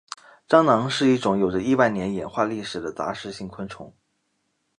蟑螂是一种有着亿万年演化历史的杂食性昆虫。